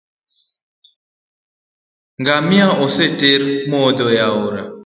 Ngamia oseter modho e aora